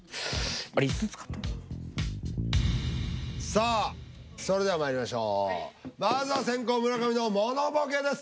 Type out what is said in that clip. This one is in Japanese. あれさあそれではまいりましょうまずは先攻村上のものボケです